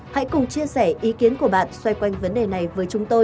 hãy cùng chia sẻ ý kiến của bạn xoay quanh vấn đề này với chúng tôi